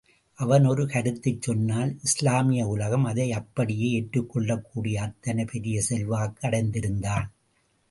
அவன் ஒரு கருத்துச் சொன்னால் இஸ்லாமிய உலகம் அதை அப்படியே ஏற்றுக் கொள்ளக்கூடிய அத்தனை பெரிய செல்வாக்கு அடைந்திருந்தான்.